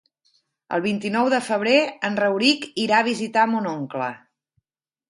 El vint-i-nou de febrer en Rauric irà a visitar mon oncle.